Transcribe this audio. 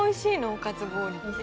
おかず氷って。